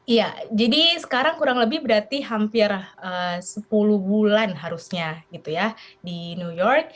iya jadi sekarang kurang lebih berarti hampir sepuluh bulan harusnya gitu ya di new york